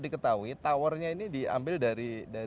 diketahui towernya ini diambil dari